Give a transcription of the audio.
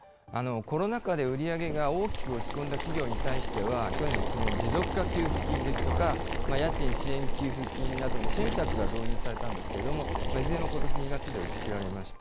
コロナ禍で売り上げが大きく落ち込んだ企業に対しては、去年、この持続化給付金ですとか、家賃支援給付金などの支援策が導入されたんですけれども、いずれもことし２月で打ち切られました。